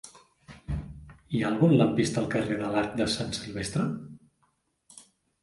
Hi ha algun lampista al carrer de l'Arc de Sant Silvestre?